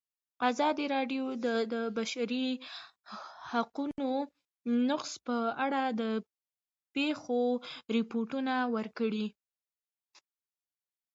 ازادي راډیو د د بشري حقونو نقض په اړه د پېښو رپوټونه ورکړي.